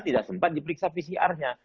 tidak sempat diperiksa pcr nya